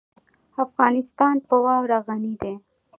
افغانستان په واوره غني دی.